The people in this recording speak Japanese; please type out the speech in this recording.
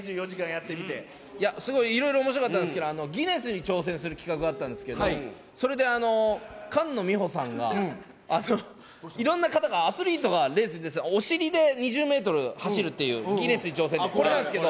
２４時いろいろおもしろかったんですけど、ギネスに挑戦する企画あったんですけど、それで、菅野美穂さんがいろんな方が、アスリートがレースに出てて、お尻で２０メートル走るっていうギネスに挑戦って、これなんですけど。